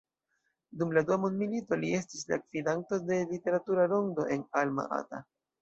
Dum la dua mondmilito li estis la gvidanto de literatura rondo en Alma Ata.